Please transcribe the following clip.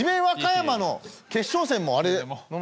和歌山の決勝戦もあれ。